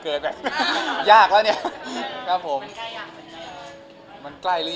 ก็คิดนะครับว่ามันต้องดีกว่านี้